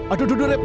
aduh aduh rep